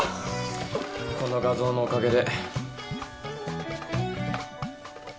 この画像のおかげで。